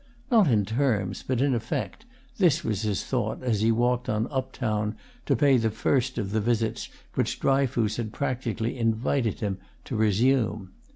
Not in terms, but in effect, this was his thought as he walked on up town to pay the first of the visits which Dryfoos had practically invited him to resume.